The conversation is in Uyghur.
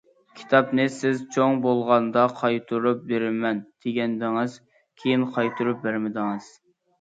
- كىتابنى سىز چوڭ بولغاندا قايتۇرۇپ بېرىمەن دېگەنىدىڭىز، كېيىن قايتۇرۇپ بەرمىدىڭىز.